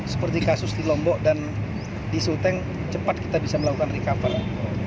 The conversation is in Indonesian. seperti kasus di lombok dan di suteng cepat kita bisa melakukan recover